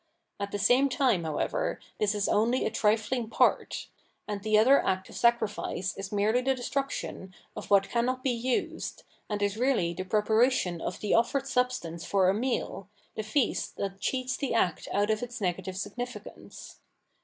At the same time, however, this is only a trifling part ; and the other act of sacrifice is merely the destruction of what cannot be used, and is really the preparation of the offered substance for a meal, the feast that cheats the act out of its negative significance.